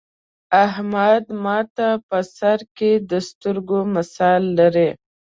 احمد ماته په سر کې د سترگو مثال لري.